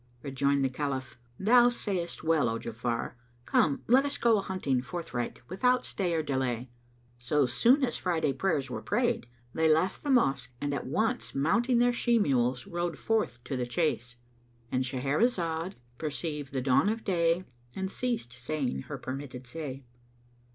Rejoined the Caliph, "Thou sayest well, O Ja'afar; come let us go a hunting forthright, without stay or delay." So soon as Friday prayers were prayed, they left the mosque and at once mounting their she mules rode forth to the chase. —And Shahrazad perceived the dawn of day and ceased saying her permitted say.